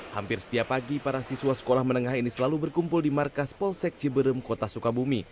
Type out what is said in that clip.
hampir setiap pagi para siswa sekolah menengah ini selalu berkumpul di markas polsek ciberem kota sukabumi